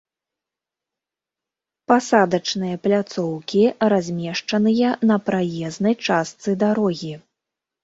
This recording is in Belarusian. Пасадачныя пляцоўкі, размешчаныя на праезнай частцы дарогі